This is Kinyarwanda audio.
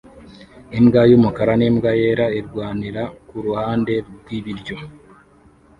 Imbwa yumukara nimbwa yera irwanira kuruhande rwibiryo